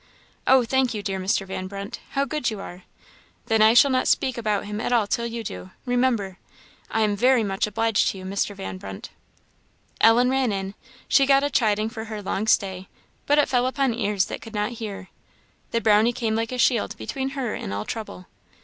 "Oh, thank you, dear Mr. Van Brunt! How good you are! Then I shall not speak about him at all till you do, remember. I am very much obliged to you, Mr. Van Brunt!" Ellen ran in. She got a chiding for her long stay, but it fell upon ears that could not hear. The Brownie came like a shield between her and all trouble.